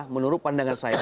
menurut pandangan saya